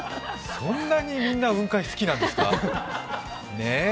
そんなにみんな、雲海好きなんですか？